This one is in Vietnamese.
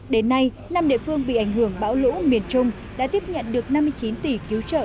đến nay năm địa phương bị ảnh hưởng bão lũ miền trung đã tiếp nhận được năm mươi chín tỷ cứu trợ